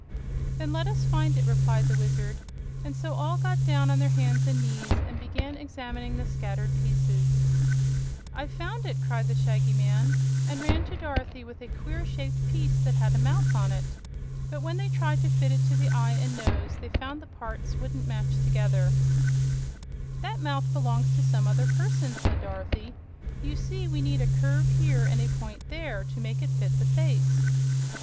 "Then let us find it," replied the Wizard, and so all got down on their hands and knees and began examining the scattered pieces. "I've found it!" cried the Shaggy Man, and ran to Dorothy with a queer shaped piece that had a mouth on it. But when they tried to fit it to the eye and nose they found the parts wouldn't match together. "That mouth belongs to some other person," said Dorothy. "You see we need a curve here and a point there, to make it fit the face."